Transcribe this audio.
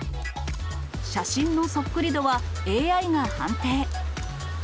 写真のそっくり度はＡＩが判定。